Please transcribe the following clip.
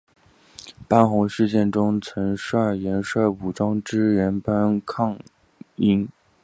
班洪事件中曾率岩帅武装支援班洪抗英。